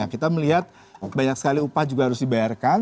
kita melihat banyak sekali upah juga harus dibayarkan